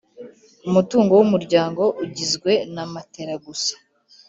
Umutungo w umuryango ugizwe na matera gusa